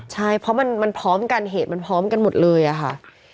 ใช่เพราะมันพร้อมกันเหตุมันพร้อมกันหมดเลยอะค่ะ